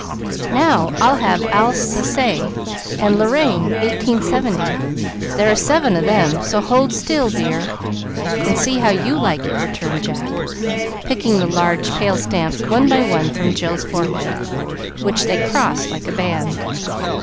Now I'll have Alsace and Lorraine, 1870. There are seven of them, so hold still and see how you like it," returned Jack, picking the large, pale stamps one by one from Jill's forehead, which they crossed like a band.